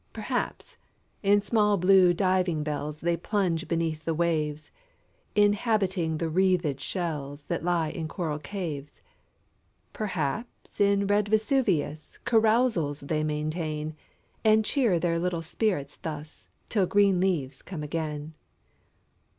Perhaps, in small, blue diving bells They plunge beneath the waves, Inhabiting the wreathed shells That lie in coral caves. Perhaps, in red Vesuvius Carousals they maintain ; And cheer their little spirits thus, Till green leaves come again.